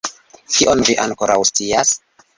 Kion vi ankoraŭ scias?